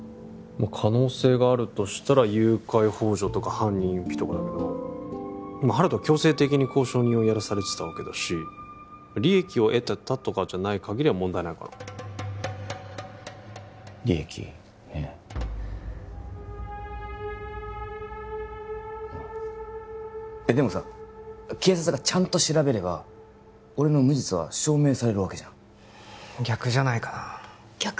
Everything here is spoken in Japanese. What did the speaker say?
可能性があるとしたら誘拐ほう助とか犯人隠避とかだけど温人は強制的に交渉人をやらされてたわけだし利益を得てたとかじゃないかぎりは問題ないかな利益ねでもさ警察がちゃんと調べれば俺の無実は証明されるわけじゃん逆じゃないかな逆？